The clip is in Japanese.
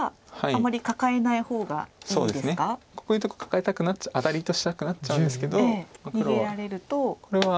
こういうとこカカえたくなっちゃうアタリとしたくなっちゃうんですけど黒はこれは。